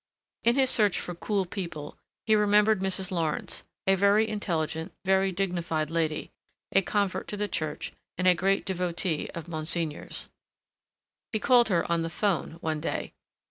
In his search for cool people he remembered Mrs. Lawrence, a very intelligent, very dignified lady, a convert to the church, and a great devotee of Monsignor's. He called her on the 'phone one day.